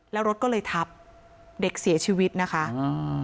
แล้วรถก็เลยทับเด็กเสียชีวิตนะคะอ่า